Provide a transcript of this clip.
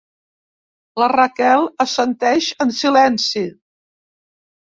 La Raquel assenteix en silenci.